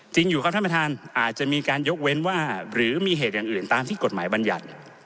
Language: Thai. อยู่ครับท่านประธานอาจจะมีการยกเว้นว่าหรือมีเหตุอย่างอื่นตามที่กฎหมายบรรยัติ